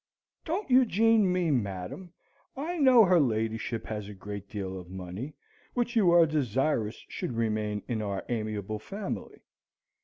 Don't Eugene me, madam. I know her ladyship has a great deal of money, which you are desirous should remain in our amiable family.